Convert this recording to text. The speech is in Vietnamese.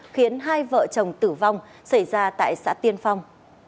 khiến hai vợ chồng tử vong xảy ra tại xã tiên phong